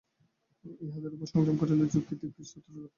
ইহাদের উপর সংযম করিলে যোগী দিব্য শ্রোত্র লাভ করেন।